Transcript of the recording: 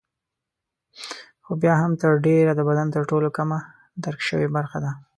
خو بیا هم تر ډېره د بدن تر ټولو کمه درک شوې برخه ده.